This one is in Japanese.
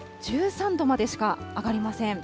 １３度までしか上がりません。